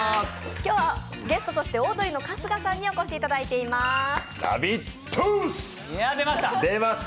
今日はゲストとしてオードリーの春日さんにお越しいただきました。